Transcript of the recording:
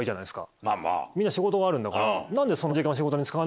みんな仕事があるんだから。